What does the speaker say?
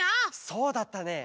そうだったね。